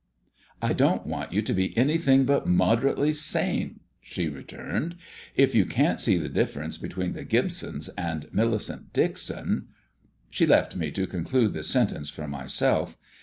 "I don't want you to be anything but moderately sane," she returned. "If you can't see the difference between the Gibsons and Millicent Dixon " She left me to conclude the sentence for myself.